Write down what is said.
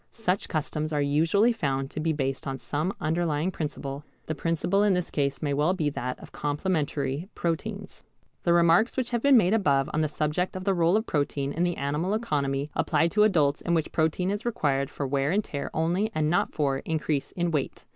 Such customs are usually found to be based on some underlying principle. The principle in this case may well be that of complementary proteins. The remarks which have been made above on the subject of the rôle of protein in the animal economy apply to adults in which protein is required for wear and tear only and not for increase in weight.